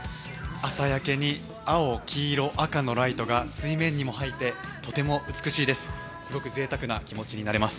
朝焼けに青、黄色、赤のライトが水面に映えてとても美しいです。